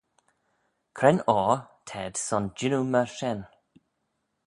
Cre'n oyr t'ayd son jannoo myr shen?